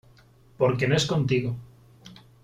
porque no es contigo .